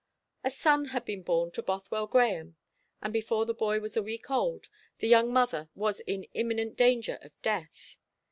A son had been born to Bothwell Grahame; and before the boy was a week old the young mother was in imminent danger of death.